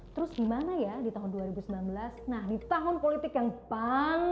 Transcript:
terus di mana ya di tahun dua ribu sembilan belas nah di tahun politik yang panas ini